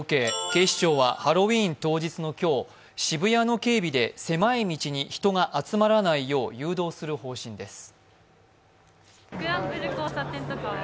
警視庁はハロウィーン当日の今日渋谷の警備で狭い道に人が集まらないよう誘導する方針です。